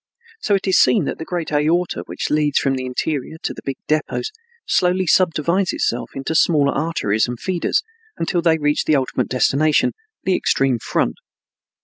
So it is seen that the great aorta which leads from the interior to the big depots slowly subdivides itself into smaller arteries and feeders until they reach the ultimate destination, the extreme front.